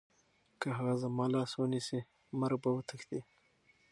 که هغه زما لاس ونیسي، مرګ به وتښتي.